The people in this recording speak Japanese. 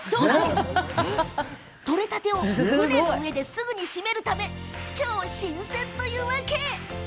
取れたてを船の上ですぐに締めるため超新鮮というわけ。